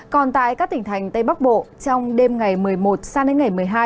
còn tại các tỉnh thành tây bắc bộ trong đêm ngày một mươi một sang đến ngày một mươi hai